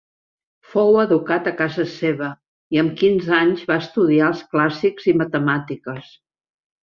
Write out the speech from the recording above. Fou educat a casa seva, i amb quinze anys va estudiar els clàssics i matemàtiques.